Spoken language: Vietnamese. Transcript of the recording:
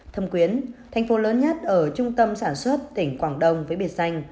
thâm quyến thành phố lớn nhất ở trung tâm sản xuất tỉnh quảng đông với biệt danh